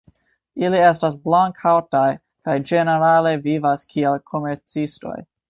Ili estas blank-haŭtaj kaj ĝenerale vivas kiel komercistoj.